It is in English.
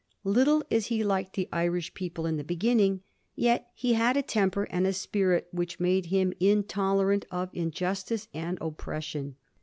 Little as he liked the Irish people in the beginning, yet he had a temper and a spirit which made him intolerant of injustice and oppression.